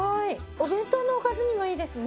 お弁当のおかずにもいいですね。